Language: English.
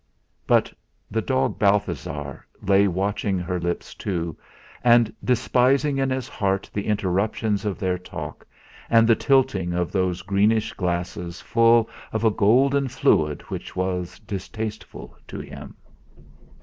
But the dog Balthasar lay watching her lips too, and despising in his heart the interruptions of their talk, and the tilting of those greenish glasses full of a golden fluid which was distasteful to him.